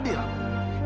dia bukan fadil